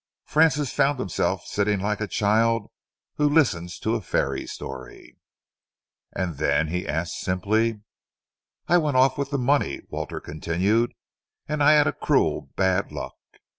Francis found himself sitting like a child who listens to a fairy story. "And then?" he asked simply. "I went off with the money," Walter continued, "and I had cruel bad luck.